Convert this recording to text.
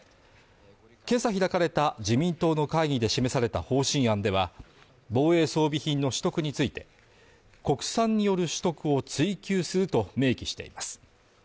今朝開かれた自民党の会議で示された方針案では、防衛装備品の取得について国産による取得を追求すると明記しています。